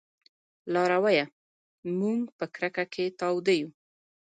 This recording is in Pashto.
لارويه! موږ په کرکه کې تاوده يو